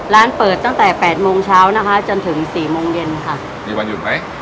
ร้านเปิดตั้งแต่แปดโมงเช้านะคะจนถึงสี่โมงเย็นค่ะมีวันหยุดไหม